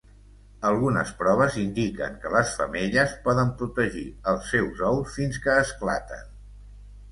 Algunes proves indiquen que les femelles poden protegir els seus ous fins que esclaten.